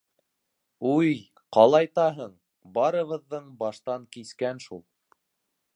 - Уй-й, ҡалайтаһың, барыбыҙҙың баштан кискән шул.